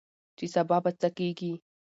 چې سبا به څه کيږي؟